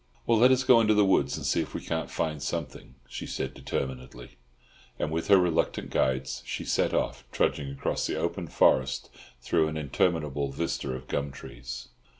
"Well, let us go into the woods and see if we can't find something," she said determinedly; and with her reluctant guides she set off, trudging across the open forest through an interminable vista of gum trees.